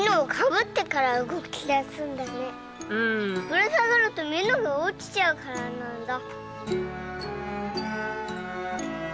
ぶら下がると、みのが落ちちゃうからなんだ。